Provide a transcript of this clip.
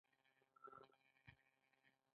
هندوکش د افغان کلتور په داستانونو کې راځي.